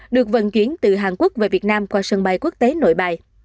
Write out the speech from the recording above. được vận chuyển từ hàn quốc về việt nam qua sân bay quốc tế nội bài